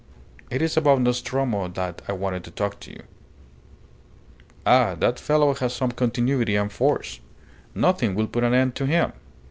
"It is about Nostromo that I wanted to talk to you. Ah! that fellow has some continuity and force. Nothing will put an end to him.